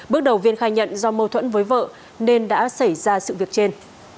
bước đầu viên khai nhận do mâu thuẫn với vợ nên đã xảy ra sự việc trên